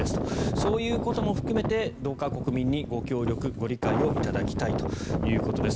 そういうことも含めてどうか国民にご協力、ご理解をいただきたいということです。